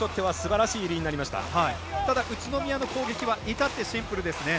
宇都宮の攻撃は至ってシンプルですね。